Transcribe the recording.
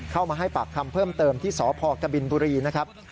เข้ามาให้ปากคำเพิ่มเติมที่สพกบินบุรีนะครับ